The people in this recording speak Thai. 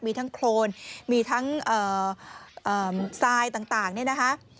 มีทั้งโครนมีทั้งทรายต่างเนี่ยนะคะ